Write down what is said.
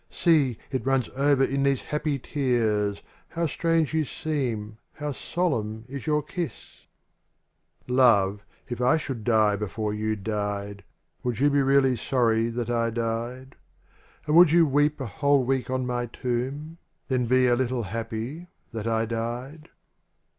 See, it runs over in these happy tears — How strange you seem ! how solemn is your kissl LOVE, if I should die before you died. Would you be really sorry that I died? And would you weep a whole week on my tomb. Then be a little happy — that I died?